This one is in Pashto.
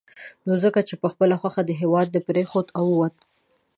نو ځکه یې په خپله خوښه هېواد پرېښود او ووت.